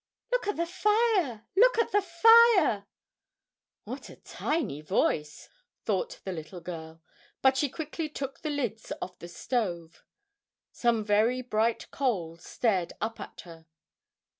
"Look at the fire! Look at the fire!" "What a tiny voice!" thought the little girl, but she quickly took the lids off the stove. Some very bright coals stared up at her.